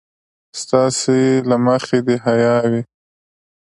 ستاسې له مخې د حيا وي.